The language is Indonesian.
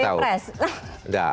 waktu yang tidak tahu